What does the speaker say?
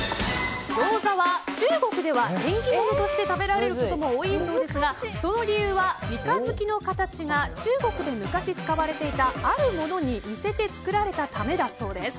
ギョーザは中国では縁起物として食べられることも多いそうですがその理由は三日月の形が中国で昔使われていたあるものに似せて作られたためだそうです。